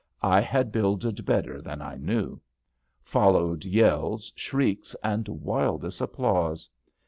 I had builded better than I knew. Followed yells, shrieks and wildest applause.